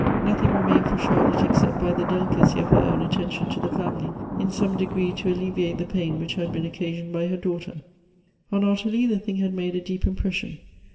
Nothing remained for Charlotte, except, by the delicacy of her own attention to the family, in some degree to alleviate the pain which had been occasioned by her daughter. On Ottilie, the thing had made a deep impression.